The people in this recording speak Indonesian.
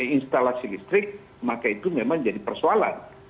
instalasi listrik maka itu memang jadi persoalan